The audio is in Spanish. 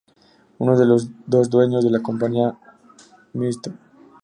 Uno de los dos dueños de la compañía, Mr.